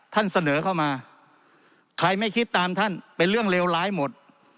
เสนอเข้ามาใครไม่คิดตามท่านเป็นเรื่องเลวร้ายหมด